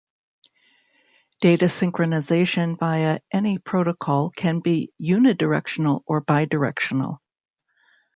Data synchronization via any protocol can be unidirectional or bidirectional.